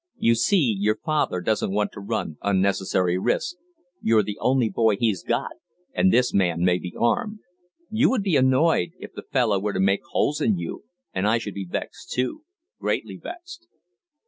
You see, your father doesn't want to run unnecessary risk you're the only boy he's got, and this man may be armed. You would be annoyed if the fellow were to make holes in you, and I should be vexed too; greatly vexed."